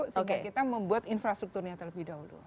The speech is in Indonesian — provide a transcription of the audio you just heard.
sehingga kita membuat infrastrukturnya terlebih dahulu